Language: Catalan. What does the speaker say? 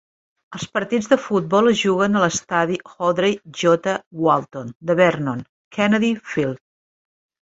Els partits de futbol es juguen a l'Estadi Audrey J. Walton. de Vernon Kennedy Field.